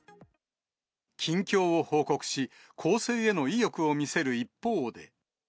近況を報告し、更生への意欲を見せる一方で。